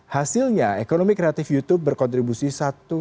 hasilnya ekonomi kreatif youtube berkembang pesat